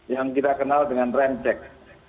yang kita kenal dengan remdeks